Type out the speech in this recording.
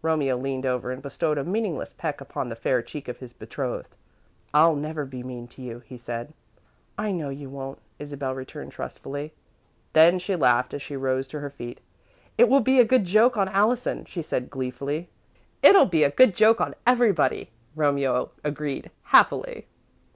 Romeo leaned over and bestowed a meaningless peck upon the fair cheek of his betrothed. "I'll never be mean to you," he said. "I know you won't," Isabel returned, trustfully. Then she laughed as she rose to her feet. "It will be a good joke on Allison," she said, gleefully. "It'll be a good joke on everybody," Romeo agreed, happily.